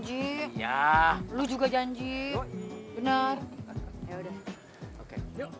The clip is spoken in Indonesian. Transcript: iya lu juga janji bener yaudah yuk